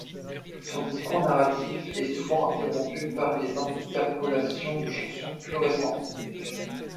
Son discours narratif est souvent interrompu par des interpolations de chansons plus récentes.